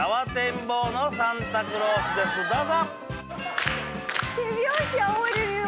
どうぞ。